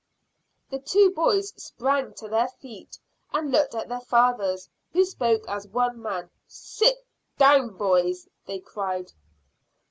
The two boys sprang to their feet and looked at their fathers, who spoke as one man. "Sit down, boys!" they cried.